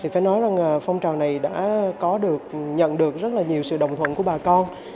phải nói rằng phong trào này đã nhận được rất nhiều sự đồng thuận của bà con